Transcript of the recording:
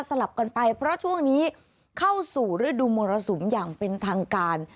ลับกันไปเพราะช่วงนี้เข้าสู่ฤดูมรสุมอย่างเป็นทางการ